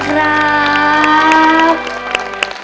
เพราะเธอชอบเมือง